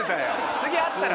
次あったら。